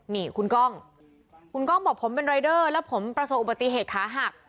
นี่คุณกล้องคุณกล้องบอกผมเป็นรายเดอร์แล้วผมประสบอุบัติเหตุขาหัก